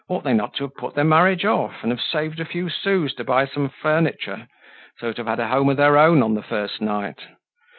Ought they not to have put their marriage off, and have saved a few sous to buy some furniture, so as to have had a home of their own on the first night?